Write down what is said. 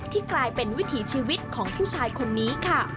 กลายเป็นวิถีชีวิตของผู้ชายคนนี้ค่ะ